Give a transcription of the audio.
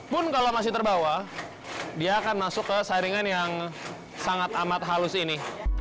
pun kalau masih terbawa dia akan masuk ke saringan yang sangat amat halus ini